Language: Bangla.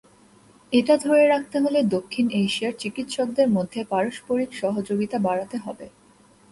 এটা ধরে রাখতে হলে দক্ষিণ এশিয়ার চিকিৎসকদের মধ্যে পারস্পরিক সহযোগিতা বাড়াতে হবে।